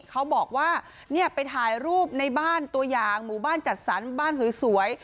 เขาบอกว่าเนี่ยไปถ่ายรูปในบ้านตัวอย่างหมู่บ้านจัดสรรบ้านสวย